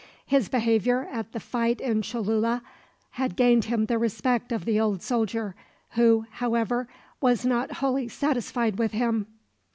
His behavior at the fight in Cholula had gained him the respect of the old soldier; who, however, was not wholly satisfied with him.